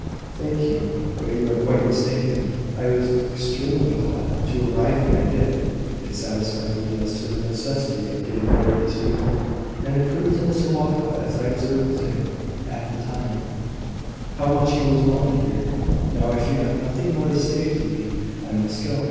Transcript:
"Thank you: but you are quite mistaken. I was extremely glad to arrive when I did. It satisfied me as to the necessity of getting rid of these people; and it proved to Mr Walcot, as I observed to him at the time, how much he was wanted here. Now, if you have nothing more to say to me, I must go.